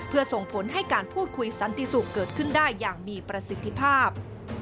เพื่อส่งผลให้การพูดคุยสันติสุขเกิดขึ้นได้อย่างมีประสิทธิภาพ